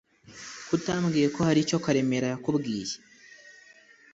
Kutambwiye ko haricyo karemera yakubwiye